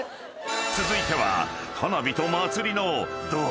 ［続いては］